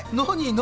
何？